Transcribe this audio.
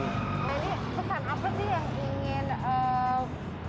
nah ini pesan apa sih yang ingin